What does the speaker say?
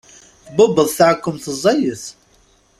Tbubbeḍ taɛkemt ẓẓayet.